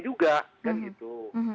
juga dan itu